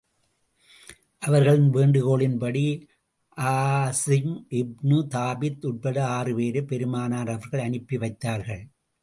அவர்களின் வேண்டுகோளின்படி, ஆஸிம் இப்னு தாபித் உட்பட ஆறு பேரை பெருமானார் அவர்கள் அனுப்பி வைத்தார்கள்.